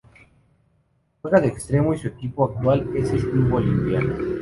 Juega de Extremo y su equipo actual es el Club Olimpia.